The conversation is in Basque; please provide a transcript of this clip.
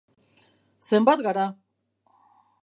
Zenbat gara?